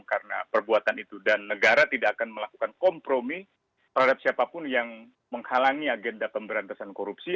karena perbuatan itu dan negara tidak akan melakukan kompromi terhadap siapapun yang menghalangi agenda pemberantasan korupsi